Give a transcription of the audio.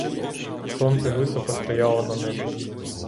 Сонце високо стояло на небі.